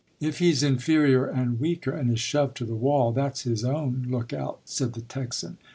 "If he's inferior and weaker, and is shoved to the wall, that's his own look out," said the Texan.